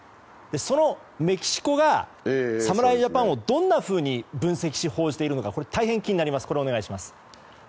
そのメキシコが侍ジャパンをどんなふうに分析し報じているのか大変、気になります。